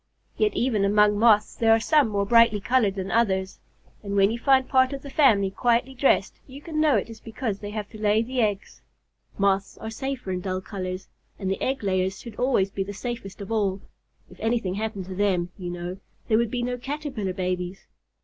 Yet even among Moths there are some more brightly colored than others, and when you find part of the family quietly dressed you can know it is because they have to lay the eggs. Moths are safer in dull colors, and the egg layers should always be the safest of all. If anything happened to them, you know, there would be no Caterpillar babies.